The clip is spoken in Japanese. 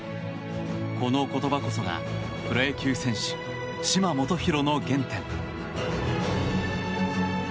この言葉こそがプロ野球選手・嶋基宏の原点。